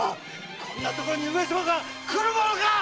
こんな所に上様が来るものか！